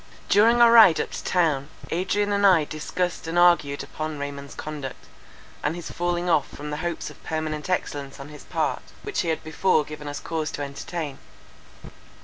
During our ride up to town, Adrian and I discussed and argued upon Raymond's conduct, and his falling off from the hopes of permanent excellence on his part, which he had before given us cause to entertain.